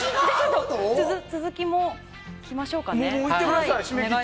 続きも聞きましょうかね。